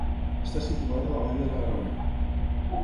Està situada a la vall de la Garona.